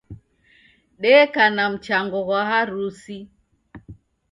Deka na mchango ghwa harusi